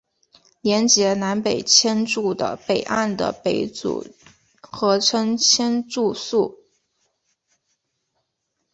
连结南北千住的北岸的北组合称千住宿。